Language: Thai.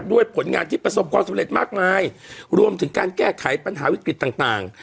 ผลงานที่ประสบความสำเร็จมากมายรวมถึงการแก้ไขปัญหาวิกฤตต่าง